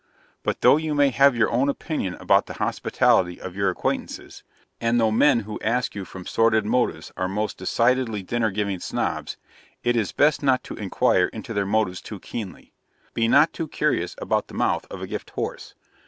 But though you may have your own opinion about the hospitality of your acquaintances; and though men who ask you from sordid motives are most decidedly Dinner giving Snobs, it is best not to inquire into their motives too keenly. Be not too curious about the mouth of a gift horse.